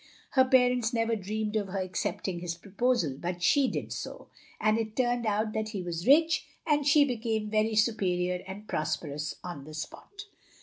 Her parents never dreamt of her accepting his proposal, but she did so; and it turned out that OF GROSVENOR SQUARE 47 he was rich, and she became very superior and prosperous on the spot.